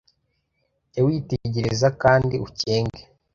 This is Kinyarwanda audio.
jya witegereza kandi ukenge